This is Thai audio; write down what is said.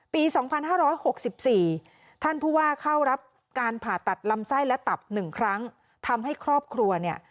ปี๒๕๖๔ท่านผู้ว่าเข้ารับการผ่าตัดลำไส้และตับ๑ครั้งทำให้ครอบครัวเนี่ย